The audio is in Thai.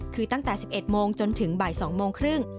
คือตั้งแต่๑๑โมงจนถึงบ่าย๒โมงครึ่ง